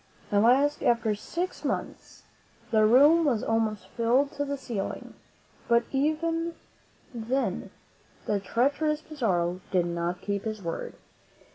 At last, after six months, the room was almost filled to the ceiling; but even then the treacher ous Pizarro did not keep his word.